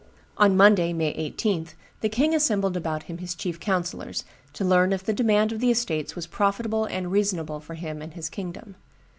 "On Monday, May 18, the king assembled about him his chief councillors, to learn if the demand of the estates was profitable and reasonable for him and his kingdom.